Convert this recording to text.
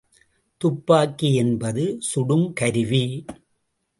துப்பாக்கி என்பது சுடும் கருவி.